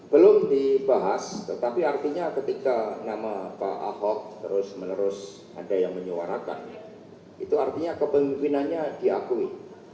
belum dibahas tetapi artinya ketika nama pak ahok terus menerus ada yang menyuarakan itu artinya kepemimpinannya diakui